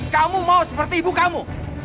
kamu mau seperti ibu kamu